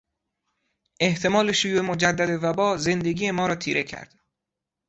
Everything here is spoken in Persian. احتمال شیوع مجدد و با زندگی ما را تیره کرد.